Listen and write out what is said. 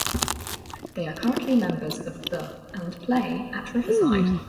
They are currently members of the and play at Riverside.